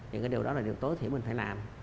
thì cái điều đó là điều tối thì mình phải làm